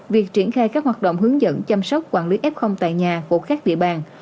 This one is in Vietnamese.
việc triển khai các hoạt động hướng dẫn chăm sóc quản lý f tại nhà của các địa bàn